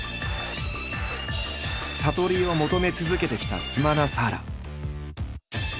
悟りを求め続けてきたスマナサーラ。